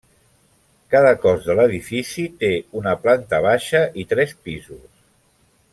Cada cos de l'edifici té una planta baixa i tres pisos.